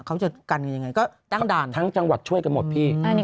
เขาจะกันยังไงก็ตั้งด่านทั้งจังหวัดช่วยกันหมดพี่